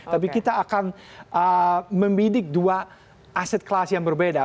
tapi kita akan membidik dua aset kelas yang berbeda